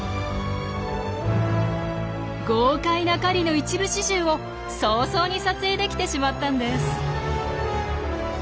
豪快な狩りの一部始終を早々に撮影できてしまったんです。